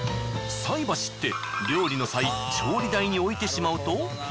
菜箸って料理の際調理台に置いてしまうと。